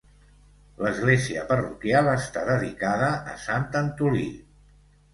L'església parroquial està dedicada a Sant Antolí.